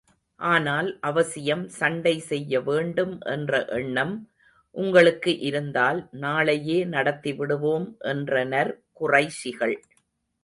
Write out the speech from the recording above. ஆனால், அவசியம் சண்டை செய்ய வேண்டும் என்ற எண்ணம் உங்களுக்கு இருந்தால், நாளையே நடத்தி விடுவோம் என்றனர் குறைஷிகள்.